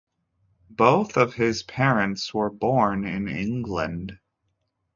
Both of his parents were born in England.